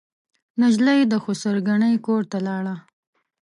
نجلۍ د خسر ګنې کورته لاړه.